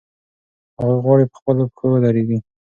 هغوی غواړي په خپلو پښو ودرېږي.